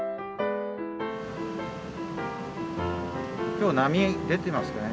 今日波出てますかね？